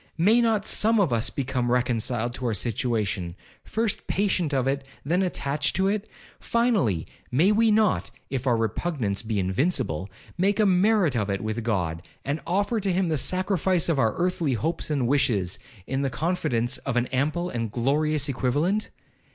May not some of us become reconciled to our situation—first patient of it, then attached to it? Finally, may we not (if our repugnance be invincible) make a merit of it with God and offer to him the sacrifice of our earthly hopes and wishes, in the confidence of an ample and glorious equivalent?